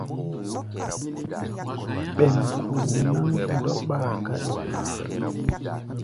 Ɓêm ku̧u̧ náŋ dɔ́ɓáa káɗí.